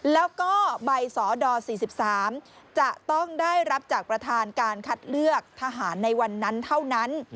แล้วก็ใบสด๔๓จะต้องได้รับจากประธานการคัดเลือกทหารในวันนั้นเท่านั้น